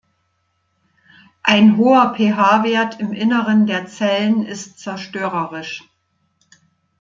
Ein hoher pH-Wert im Inneren der Zellen ist zerstörerisch.